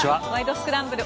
スクランブル」